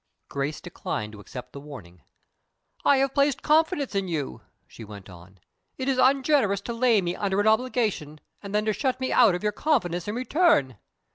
Grace declined to accept the warning. "I have placed confidence in you," she went on. "It is ungenerous to lay me under an obligation, and then to shut me out of your confidence in return."